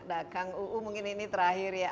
nah kang uu mungkin ini terakhir ya